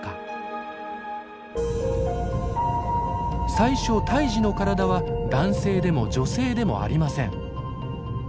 最初胎児の体は男性でも女性でもありません。